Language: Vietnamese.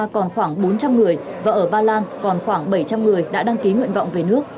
còn khoảng bốn trăm linh người và ở ba lan còn khoảng bảy trăm linh người đã đăng ký nguyện vọng về nước